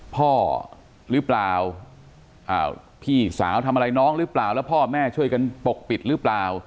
พ่อหรือเปล่าพี่สาวทำอะไรน้องหรือเปล่าแล้วพ่อแม่ช่วยกันปกปิดหรือเปล่า